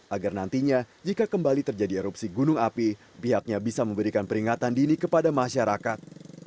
agar nantinya jika kembali terjadi erupsi gunung api pihaknya bisa memberikan peringatan dini kepada masyarakat